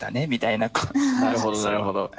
なるほどなるほど。